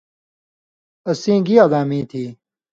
اسیں گی علامی تھی؟